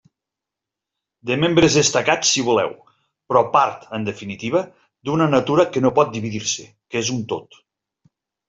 De membres destacats si voleu, però part, en definitiva, d'una natura que no pot dividir-se, que és un tot.